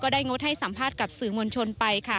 งดให้สัมภาษณ์กับสื่อมวลชนไป